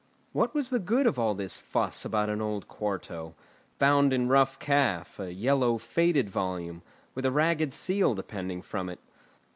What was the good of all this fuss about an old quarto, bound in rough calf, a yellow, faded volume, with a ragged seal depending from it?